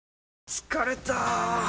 疲れた！